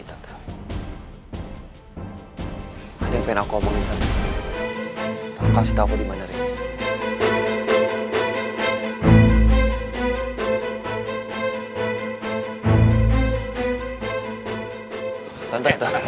yang pengen aku omongin kasih tahu dimana riri